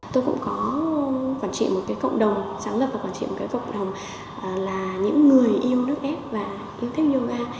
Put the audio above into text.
tôi cũng có quản trị một cái cộng đồng sáng lập và quản trị một cái cộng đồng là những người yêu nước ép và yêu thích yoga